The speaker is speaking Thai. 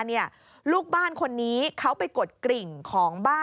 นี่ค่ะคุณผู้ชมพอเราคุยกับเพื่อนบ้านเสร็จแล้วนะน้า